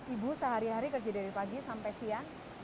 ibu sehari hari kerja dari pagi sampai siang